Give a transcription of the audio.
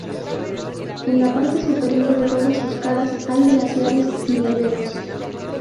En la parte superior de todas sus caras hay glaciares y neveros.